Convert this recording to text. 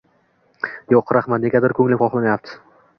Yo‘q, rahmat, negadir ko'nglim xohlamayapti.